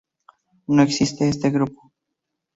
No existe este grupo.